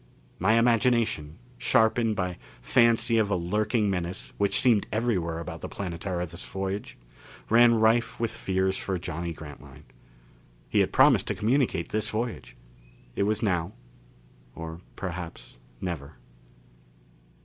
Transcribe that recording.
My imagination, sharpened by fancy of a lurking menace which seemed everywhere about the Planetara this voyage, ran rife with fears for Johnny Grantline. He had promised to communicate this voyage. It was now, or perhaps never.